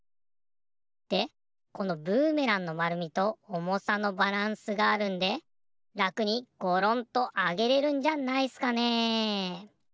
でこのブーメランのまるみとおもさのバランスがあるんでらくにゴロンとあげれるんじゃないっすかね。